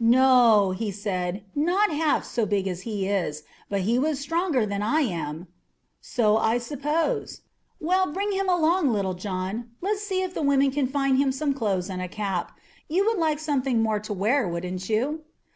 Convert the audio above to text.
"No," he said; "not half, so big as he is. But he was stronger than I am." "So I suppose. Well, bring him along. Little John, and let's see if the women can find him some clothes and a cap. You would like something more to wear, wouldn't you?"